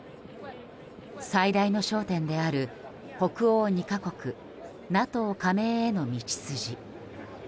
最大の焦点である北欧２か国ＮＡＴＯ加盟への道筋。